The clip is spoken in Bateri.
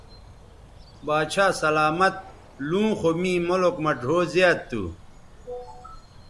باچھا سلامت لوں خو می ملک مہ ڙھؤ زیات تھو